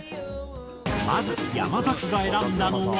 まず山崎が選んだのは。